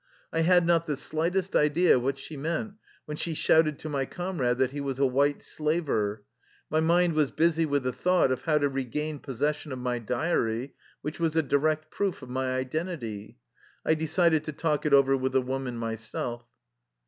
I had not the slightest idea what she meant when she shouted to my comrade that he was a " white slaver." My mind was busy with the thought of how to regain possession of my diary which was a direct proof of my identity. I decided to talk it over with the woman myself.